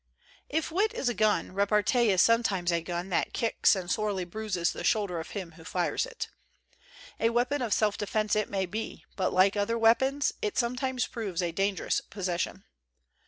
" If wit is a gun, repartee is some times a gun that kicks and sorely bruises the shoulder of him who fires it. A weapon of self defense it may be, but, like other weapons, it sometimes proves a dangerous possession.